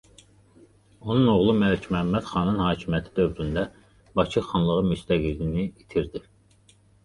Onun oğlu Məlik Məhəmməd xanın hakimiyyəti dövründə Bakı xanlığı müstəqilliyini itirdi.